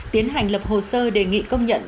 tiến hành lập hồ sơ đề nghị công nhận